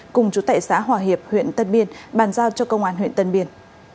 cùng chủ tệ xã hòa hiệp huyện tân biên bàn giao cho công an huyện tân biên